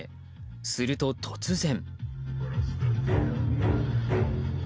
すると、突然。